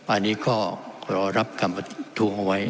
อันนี้ก็รอรับกรรมธุมไว้